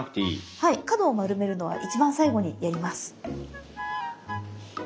はい角を丸めるのは一番最後にやります。